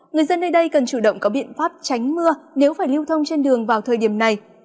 người dân nơi đây cần chủ động có biện pháp tránh mưa nếu phải lưu thông trên đường vào thời điểm này